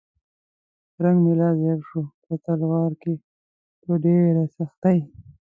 رنګ مې لا ژیړ شو په تلوار او په ډېرې سختۍ.